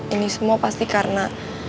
ini semua pasti karena